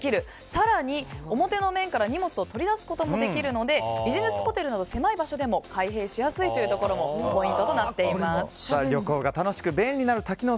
更に表の面から荷物を取り出すこともできるのでビジネスホテルなど狭い場所でも開閉しやすいということも旅行が楽しく便利になる多機能